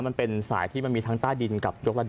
มันเป็นสายที่มันมีทั้งใต้ดินกับยกระดับ